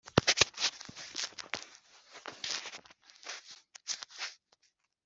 amatangazo muri parike yagize ati "irinde ibyatsi".